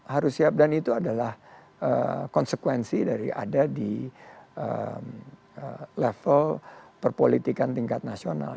harus siap dan itu adalah konsekuensi dari ada di level perpolitikan tingkat nasional